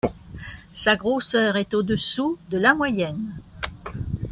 Sa grosseur est au-dessous de la moyenne.